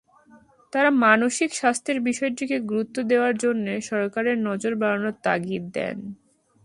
তাঁরা মানসিক স্বাস্থ্যের বিষয়টিকে গুরুত্ব দেওয়ার জন্য সরকারের নজর বাড়ানোর তাগিদ দেন।